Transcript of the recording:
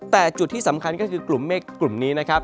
แต่จุดที่สำคัญก็คือกลุ่มเมฆกลุ่มนี้นะครับ